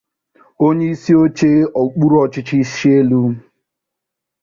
onyeisioche okpuru ọchịchị Ishielu